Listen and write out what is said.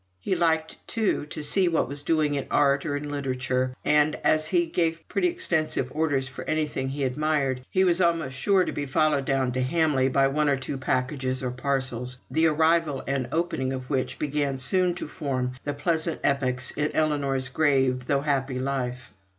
He liked, too, to see what was doing in art, or in literature; and as he gave pretty extensive orders for anything he admired, he was almost sure to be followed down to Hamley by one or two packages or parcels, the arrival and opening of which began soon to form the pleasant epochs in Ellinor's grave though happy life.